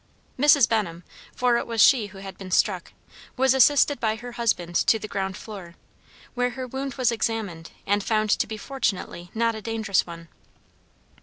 Mrs. Benham, for it was she who had been struck, was assisted by her husband to the ground floor, where her wound was examined and found to be fortunately not a dangerous one.